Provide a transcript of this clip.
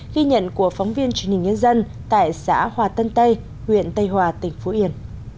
ghi nhận của phóng viên truyền hình nhân dân tại xã hòa tân tây huyện tây hòa tỉnh phú yên